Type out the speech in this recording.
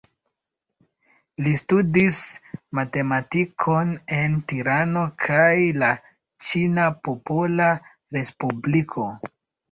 Li studis matematikon en Tirano kaj la Ĉina Popola Respubliko.